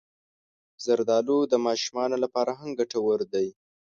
زردالو د ماشومانو لپاره هم ګټور دی.